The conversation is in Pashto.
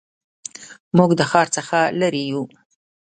موږ د ښار څخه لرې یو